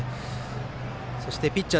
そしてピッチャー